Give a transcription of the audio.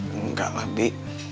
enggak lah bi